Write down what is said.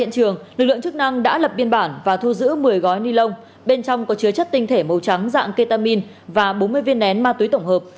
công an đã lập biên bản và thu giữ một mươi gói ni lông bên trong có chứa chất tinh thể màu trắng dạng ketamin và bốn mươi viên nén ma túy tổng hợp